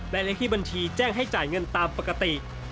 และเลขที่บัญชีแจ้งให้จ่ายเงินตามปกติ